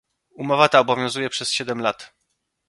Umowa ta obowiązuje przez siedem lat